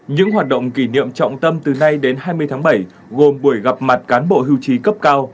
những hoạt động kỷ niệm trọng tâm từ nay đến hai mươi tháng bảy gồm buổi gặp mặt cán bộ hưu trí cấp cao